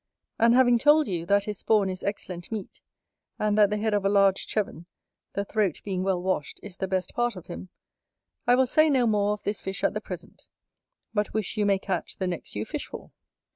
And having told you, that his spawn is excellent meat, and that the head of a large Cheven, the throat being well washed, is the best part of him, I will say no more of this fish at the present, but wish you may catch the next you fish for.